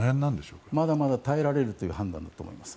まだまだ耐えられるという判断だと思います。